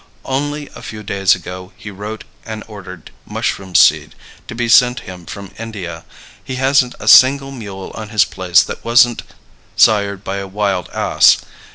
Only a few days ago he wrote and ordered mushroom seed to be sent him from India. He hasn't a single mule on his place that wasn't sired by a wild ass.